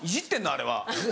あれは。